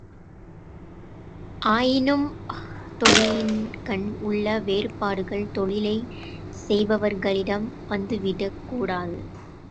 ஆயினும், தொழிலின்கண் உள்ள வேறுபாடுகள் தொழிலை செய்பவர்களிடம் வந்துவிடக்கூடாது.